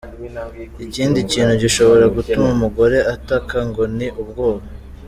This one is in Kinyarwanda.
Ikindi kintu gishobora gutuma umugore ataka ngo ni ubwoba.